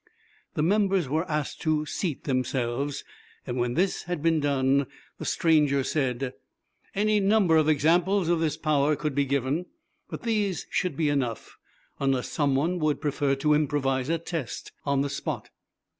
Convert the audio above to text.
The members were asked to seat themselves, and when this had been done, the stranger said: "Any number of examples of this power could be given, but these should be enough, unless some one would prefer to improvise a test on the spot."